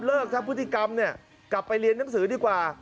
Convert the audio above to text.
ทั้งพฤติกรรมเนี่ยกลับไปเรียนหนังสือดีกว่า